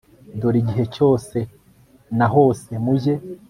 dore igihe cyose na hose mujye